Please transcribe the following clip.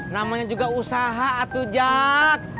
namanya juga usaha atu jak